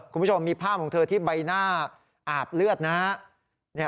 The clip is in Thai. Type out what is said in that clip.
คุณผู้ชมมีภาพของเธอที่ใบหน้าอาบเลือดนะฮะ